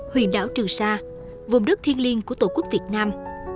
huyện đảo trường sa vùng đất thiên liên của tổ quốc việt nam